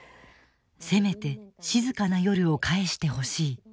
「せめて静かな夜を返してほしい」。